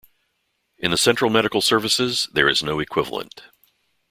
In the Central Medical Services there is no equivalent.